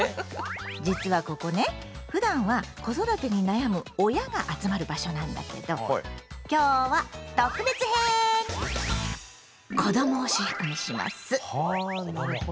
実はここねふだんは子育てに悩む親が集まる場所なんだけど今日は特別編！はあなるほど。